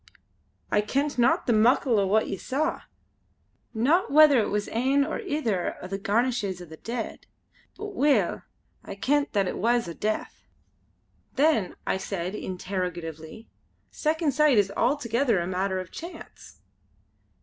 I kent not the muckle o' what ye saw. Not whether it was ane or ither o' the garnishins o' the dead; but weel I kent that it was o' death." "Then," I said interrogatively "Second Sight is altogether a matter of chance?"